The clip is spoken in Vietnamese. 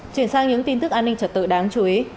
chuyển sang những tin tức an ninh trật tự đáng chú ý